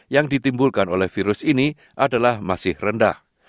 yang ditimbulkan oleh virus ini adalah masih rendah